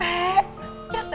kepertu masak tempe